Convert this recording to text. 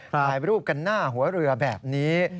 ถ่ายรูปกันหน้าหัวเรือแบบนี้